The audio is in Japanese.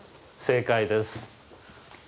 正解です。